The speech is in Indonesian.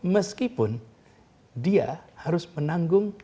meskipun dia harus menanggung